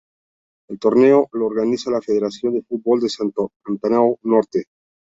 El torneo lo organiza la federación de fútbol de Santo Antão Norte.